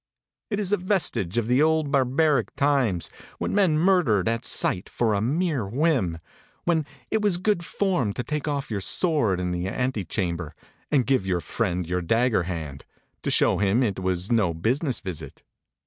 It is a vestige of the old barbaric times, when men murdered at sight for a mere whim; when it was good form to take off your sword in the antechamber, and give your friend your dagger hand, to show him it was no business visit.